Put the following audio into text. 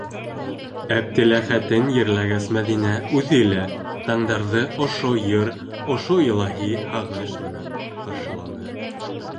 Әптеләхәтен ерләгәс, Мәҙинә үҙе лә тандарҙы ошо йыр, ошо илаһи һағыш менән ҡаршыланы.